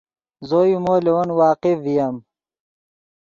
زو یو مو لے ون واقف ڤییم